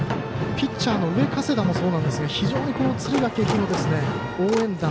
ピッチャーの上加世田もそうなんですが非常に、敦賀気比も応援団